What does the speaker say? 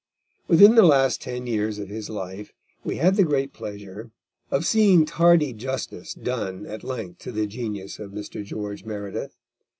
Within the last ten years of his life we had the great pleasure of seeing tardy justice done at length to the genius of Mr. George Meredith.